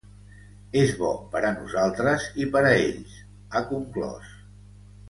“És bo per a nosaltres i per a ells”, ha conclòs.